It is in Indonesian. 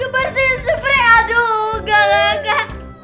dan bersihin spray aduh gak gak gak